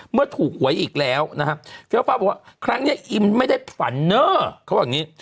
เมื่อถูกหวยอีกแล้วนะครับเฟี้ยวฟ้าบอกว่าครั้งนี้อิมไม่ได้ฝันเนอร์เขาว่าอย่างนี้